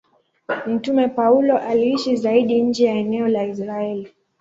Mtume Paulo aliishi zaidi nje ya eneo la Israeli.